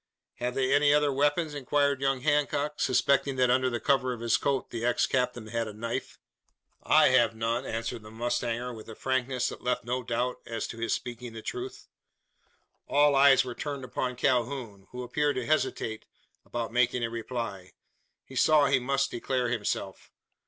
"Have they any other weapons?" inquired young Hancock, suspecting that under the cover of his coat the ex captain had a knife. "I have none," answered the mustanger, with a frankness that left no doubt as to his speaking the truth. All eyes were turned upon Calhoun, who appeared to hesitate about making a reply. He saw he must declare himself.